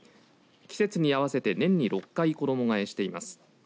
季節に合わせて年に６回、衣がえしてます。